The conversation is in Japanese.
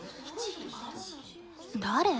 誰？